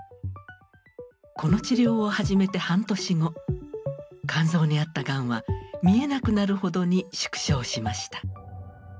この治療を始めて半年後肝臓にあったがんは見えなくなるほどに縮小しました。